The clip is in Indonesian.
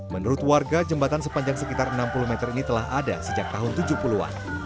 menurut warga jembatan sepanjang sekitar enam puluh meter ini telah ada sejak tahun tujuh puluh an